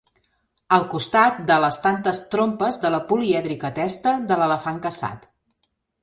Al costat de les tantes trompes de la polièdrica testa de l'elefant caçat.